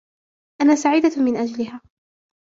أنا سعيدة مِن أجلِها.